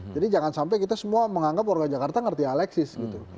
jadi jangan sampai kita semua menganggap warga jakarta mengerti aleksis